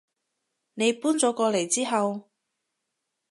你搬咗過嚟之後